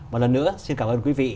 một lần nữa xin cảm ơn quý vị